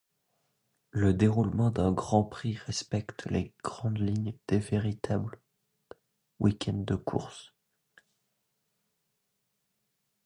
Le déroulement d'un Grand Prix respecte les grandes lignes des véritables week-end de course.